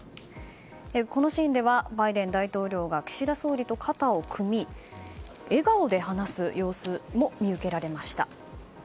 このシーンではバイデン大統領が岸田総理と肩を組み笑顔で話す様子も見受けられました。